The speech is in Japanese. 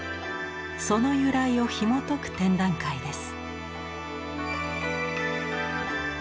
その由来をひもとく展覧会です。